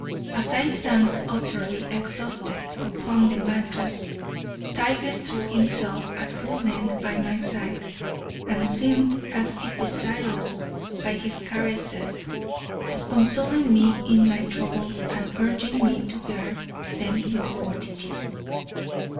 As I sank, utterly exhausted, upon the mattress, Tiger threw himself at full length by my side, and seemed as if desirous, by his caresses, of consoling me in my troubles, and urging me to bear them with fortitude.